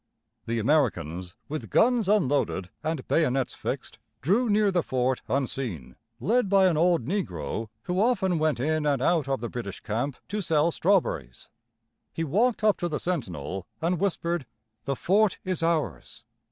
The Americans, with guns unloaded and bayonets fixed, drew near the fort unseen, led by an old negro who often went in and out of the British camp to sell strawberries. He walked up to the sentinel, and whispered: "The fort is ours."